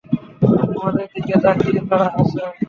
আমাদের দিকে তাকিয়ে তারা হাসে!